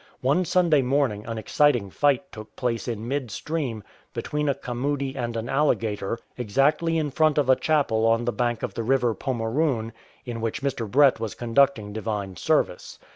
One Sunday morning an exciting fight took place in mid stream between a camudi and an alligator, exactly in front of a chapel on the bank of the river Pomeroon in which Mr. Brett was conducting divine service.